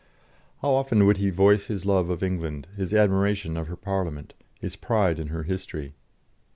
How often he would voice his love of England, his admiration of her Parliament, his pride in her history.